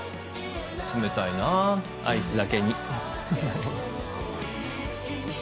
冷たいなぁアイスだけに。